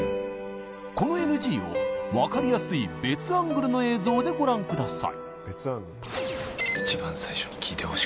このＮＧを分かりやすい別アングルの映像でご覧ください